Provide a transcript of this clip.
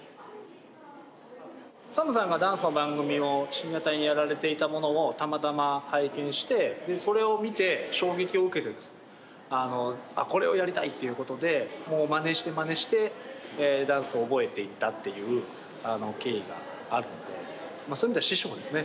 ＳＡＭさんがダンスの番組を深夜帯にやられていたものをたまたま拝見してそれを見て衝撃を受けてですねあっこれをやりたいっていうことでもうまねしてまねしてダンスを覚えていったっていう経緯があるのでそういう意味では師匠ですね